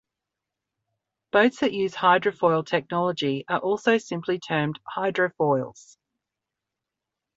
Boats that use hydrofoil technology are also simply termed hydrofoils.